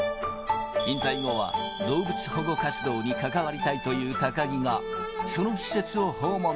引退後は動物保護活動に関わりたいという高木が、その施設を訪問。